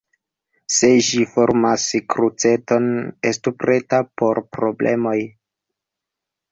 Se ĝi formas kruceton, estu preta por problemoj.